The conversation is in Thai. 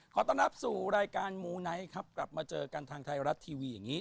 ขอต้อนรับสู่รายการมูไนท์ครับกลับมาเจอกันทางไทยรัฐทีวีอย่างนี้